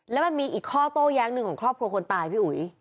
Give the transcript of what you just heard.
แล้วมันมีอีกข้อโต้แย้งหนึ่งของครอบครัวคนตายพี่อุ๋ย